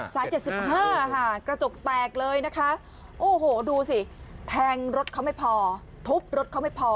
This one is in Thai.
๗๕ค่ะกระจกแตกเลยนะคะโอ้โหดูสิแทงรถเขาไม่พอทุบรถเขาไม่พอ